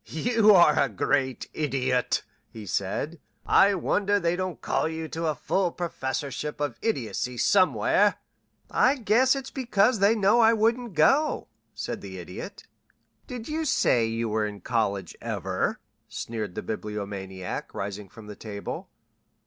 "You are a great Idiot," he said. "I wonder they don't call you to a full professorship of idiocy somewhere." "I guess it's because they know I wouldn't go," said the Idiot. "Did you say you were in college ever?" sneered the Bibliomaniac, rising from the table.